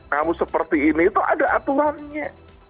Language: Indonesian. kamu seperti ini itu ada aturannya